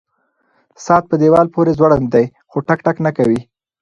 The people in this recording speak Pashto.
ساعت په دیوال پورې ځوړند دی خو ټک ټک نه کوي.